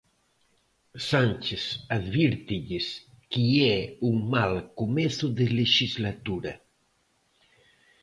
Sánchez advírtelles que é un mal comezo de lexislatura.